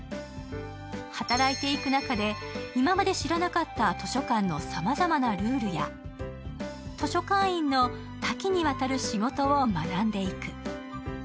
働いていく中で、今まで知らなかった図書館のさまざまなルールや、図書館員の多岐にわたる仕事を学んでいく。